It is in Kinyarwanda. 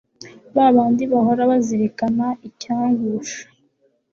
ba bandi bahora bazirikana icyangusha